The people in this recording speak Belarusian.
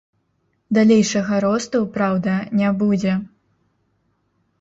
Далейшага росту, праўда, не будзе.